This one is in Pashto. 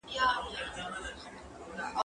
زه پرون سينه سپين کړه؟!